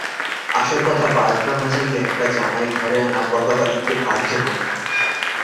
আসল কথা, বাজনা বাজাইয়া একটা জামাই ঘরে আনা প্রতাপাদিত্যের কার্য নহে।